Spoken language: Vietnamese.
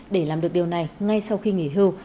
để làm được điều này ngay sau khi nghỉ hưu